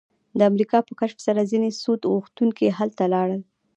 د امریکا په کشف سره ځینې سود غوښتونکي هلته لاړل